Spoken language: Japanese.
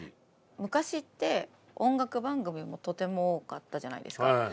昔って音楽番組もとても多かったじゃないですか。